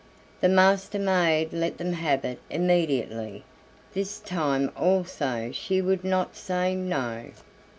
The Master maid let them have it immediately this time also she would not say "no."